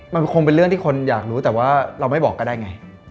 มันคงเป็นเรื่องที่คนอยากรู้แต่ว่าเราไม่บอกก็ได้ไง